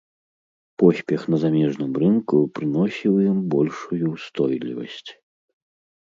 Поспех на замежным рынку прыносіў ім большую ўстойлівасць.